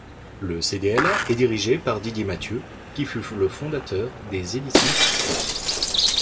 Le cdla est dirigé par Didier Mathieu, qui fut le fondateur des éditions Sixtus.